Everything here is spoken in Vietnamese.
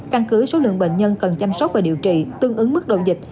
căn cứ số lượng bệnh nhân cần chăm sóc và điều trị tương ứng mức độ dịch